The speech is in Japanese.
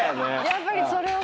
やっぱりそれを。